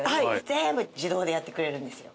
全部自動でやってくれるんですよ。